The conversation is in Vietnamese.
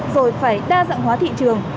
rồi phải đa dạng hóa thị trường